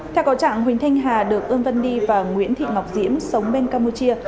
theo cầu trạng huỳnh thanh hà được ương vân đi và nguyễn thị ngọc diễm sống bên campuchia